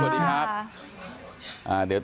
สวัสดีครับสวัสดีครับ